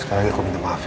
sekarang aku minta maaf ya